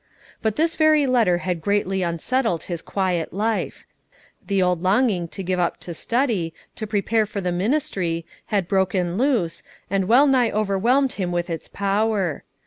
But this very letter had greatly unsettled his quiet life; the old longing to give himself up to study, to prepare for the ministry, had broken loose, and well nigh overwhelmed him with its power.